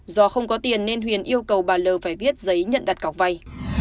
do không có tiền nên huyền yêu cầu bà l phải viết giấy nhận đặt cọc vay